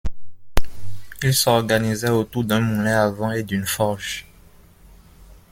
Il s'organisait autour d'un moulin à vent et d'une forge.